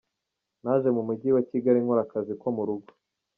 Naje mu mujyi wa Kigali nkora akazi ko mu rugo.